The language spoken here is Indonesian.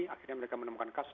akhirnya mereka menemukan kasus